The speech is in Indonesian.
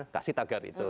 kasih tagar itu